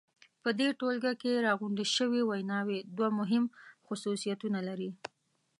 په دې ټولګه کې راغونډې شوې ویناوی دوه مهم خصوصیتونه لري.